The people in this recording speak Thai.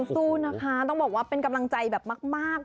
สู้นะคะต้องบอกว่าเป็นกำลังใจแบบมาก